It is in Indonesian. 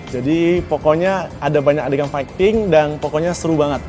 jadi pokoknya ada banyak adegan fighting dan pokoknya seru banget